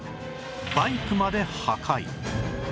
バイクまで破壊